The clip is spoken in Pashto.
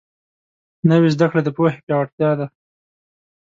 نوې زده کړه د پوهې پیاوړتیا ده